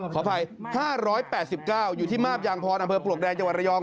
ขออภัย๕๘๙อยู่ที่มาบยางพรอำเภอปลวกแดงจังหวัดระยอง